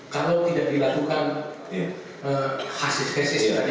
kalau tidak dilakukan hasil hasil yang tadi